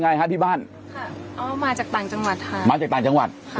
ค่ะอ๋อมาจากต่างจังหวัดค่ะมาจากต่างจังหวัดค่ะ